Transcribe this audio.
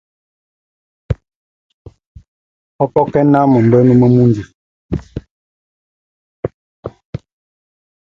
Nú miaŋʼ ɔ́ndɔk á muend ó wa mɛ nɔnɔkɔk, wéy a sɛk á miaŋʼ ɛ́ta, a sɛk.